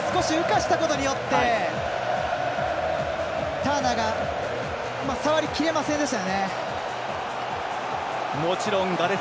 少し浮かせたことによってターナーが触りきれませんでした。